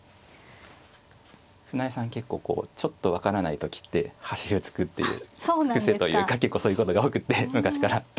船江さん結構こうちょっと分からない時って端歩突くっていう癖というか結構そういうことが多くって昔から。